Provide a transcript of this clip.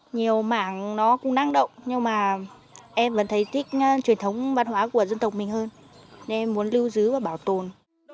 nhiều mảng nó cũng năng động nhưng mà em vẫn thấy thích truyền thống văn hóa của dân tộc mình hơn nên em muốn lưu giữ và bảo tồn